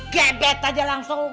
gebet aja langsung